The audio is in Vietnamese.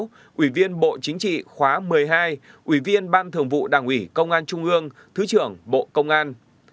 năm hai nghìn một mươi sáu ủy viên bộ chính trị khóa một mươi hai ủy viên ban thường vụ đảng ủy công an trung ương thứ trưởng bộ công an